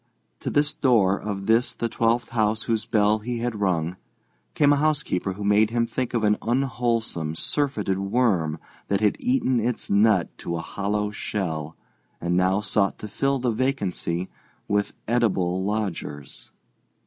To the door of this, the twelfth house whose bell he had rung, came a housekeeper who made him think of an unwholesome, surfeited worm that had eaten its nut to a hollow shell and now sought to fill the vacancy with edible lodgers.